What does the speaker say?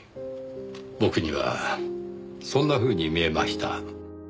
僕にはそんなふうに見えました。